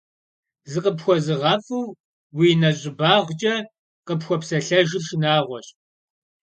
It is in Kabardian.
ЗыкъыпхуэзыгъэфӀыу уи нэщӀыбагъкӀэ къыпхуэпсэлъэжыр шынагъуэщ.